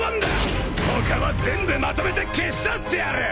他は全部まとめて消し去ってやる！